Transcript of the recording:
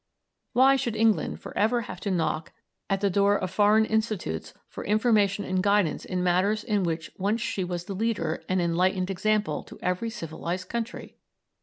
Why should England for ever have to knock at the door of foreign institutes for information and guidance in matters in which once she was the leader and enlightened example to every civilised country?